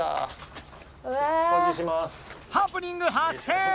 ハプニング発生！